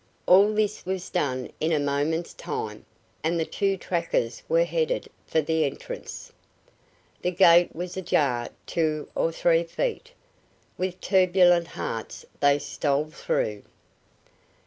All this was done in a moment's time, and the two trackers were headed for the entrance. The gate was ajar two or three feet. With turbulent hearts, they stole through.